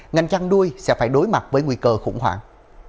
ngành chăn nuôi sẽ phải đối mặt với nguy cơ khủng hoảng